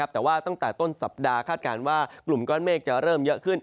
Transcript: แต่ว่าตั้งแต่ต้นสัปดาห์คาดการณ์ว่ากลุ่มก้อนเมฆจะเริ่มเยอะขึ้น